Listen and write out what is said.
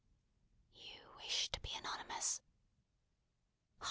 "You wish to be anonymous?"